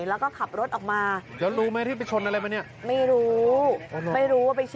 แล้วก็ขับรถออกมา